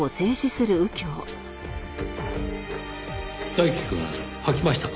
大樹くん吐きましたか。